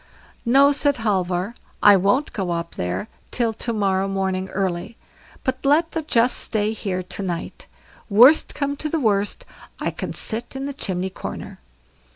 "No", said Halvor, "I won't go up there till to morrow early, but let the just stay here to night; worst come to the worst, I can sit in the chimney corner."